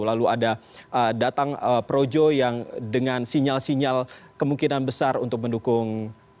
lalu ada datang projo yang dengan sinyal sinyal kemungkinan besar untuk mendukung